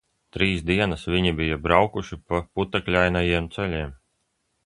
Trīs dienas viņi bija braukuši pa putekļainajiem ceļiem.